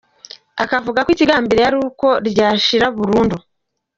Akavuga ko ikigambiriwe ari uko ryashira burundu.